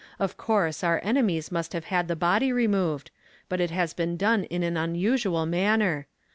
Of coui se our enemies must have had the body removed, but it has been done in an unusual manner.